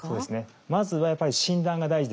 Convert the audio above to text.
まずはやっぱり診断が大事です。